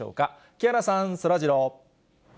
木原さん、そらジロー。